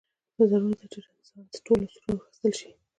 دا ضرور نه ده چې د رنسانس ټول اصول راواخیستل شي.